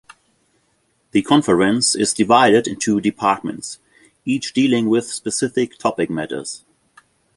The conference is divided into departments each dealing with specific topic matters.